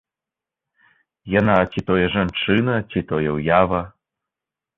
Яна ці тое жанчына, ці тое ўява.